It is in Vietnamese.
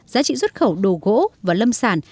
giá trị xuất khẩu đồ gỗ và lâm sản